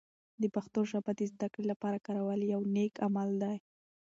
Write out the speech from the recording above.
د پښتو ژبه د زده کړې لپاره کارول یوه نیک عمل دی.